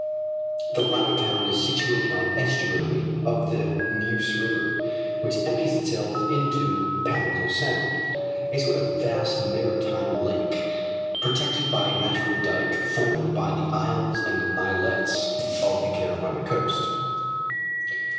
The latter town is situated on estuary of the Neuse River, which empties itself into Pamlico Sound, a sort of vast maritime lake protected by a natural dyke formed by the isles and islets of the Carolina coast.